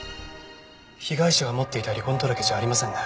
被害者が持っていた離婚届じゃありませんね。